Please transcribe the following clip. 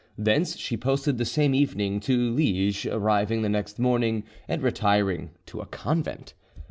Thence she posted the same evening to Liege, arriving the next morning, and retired to a convent.